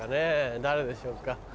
誰でしょうか。